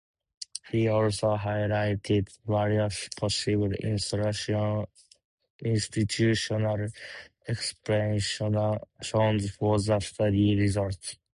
He also highlighted various possible institutional explanations for the study results.